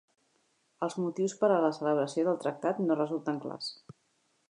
Els motius per a la celebració del tractat no resulten clars.